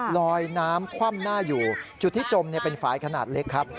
ลอยน้ำคว่ำหน้าอยู่จุดที่จมเป็นฝ่ายขนาดเล็กครับ